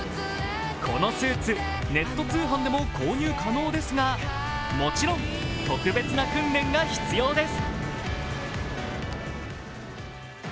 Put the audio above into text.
このスーツ、ネット通販でも購入可能ですが、もちろん、特別な訓練が必要です。